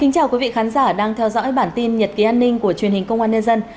chào mừng quý vị đến với bản tin nhật ký an ninh của truyền hình công an nhân dân